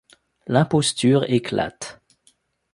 L'imposture éclate.